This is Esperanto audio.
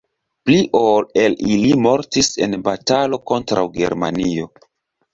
Pli ol el ili mortis en batalo kontraŭ Germanio.